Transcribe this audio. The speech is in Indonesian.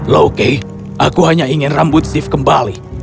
loki aku hanya ingin rambut steve kembali